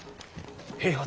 平八。